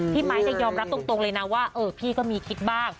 ไมค์ยอมรับตรงเลยนะว่าพี่ก็มีคิดบ้าง